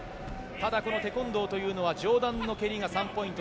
ただ、テコンドーというのは上段の蹴りが３ポイント